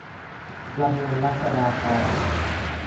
ประมวลรัษฎากร